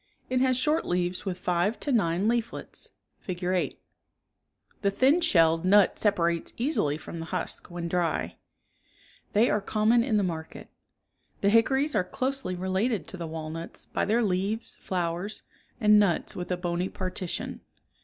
It has lort leaves with five to nine _^. leaflets (Fig. 8); the thin ■'~''" shelled nut separates easily from the husk when dry. 8. Leap of englis^h walhut. Thcy are common in the market. The hickories are closely related to the walnuts, by their leaves, flowers, and nuts with a bony parti tion.